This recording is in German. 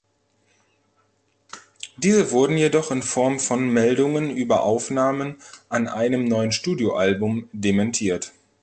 Diese wurden jedoch in Form von Meldungen über Aufnahmen an einem neuen Studioalbum dementiert.